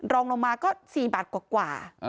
รองลงมาก็๔บาทกว่า